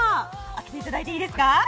開けていただいていいですか？